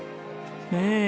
ねえ。